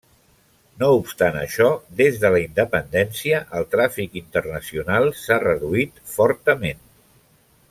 No obstant això, des de la independència, el tràfic internacional s'ha reduït fortament.